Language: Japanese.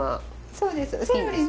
そうです